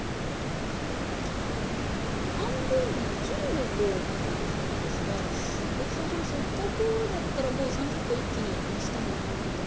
半分の１５個をまず蒸すんですが大津さんこれせっかくだったらもう３０個一気に蒸したいなあなんて思うんですが。